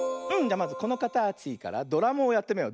まずこのかたちからドラムをやってみよう。